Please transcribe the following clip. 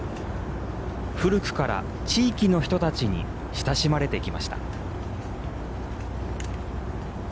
古くから地域の人たちに親しまれてきました。